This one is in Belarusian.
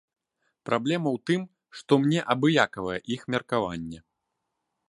Праблема ў тым, што мне абыякавае іх меркаванне.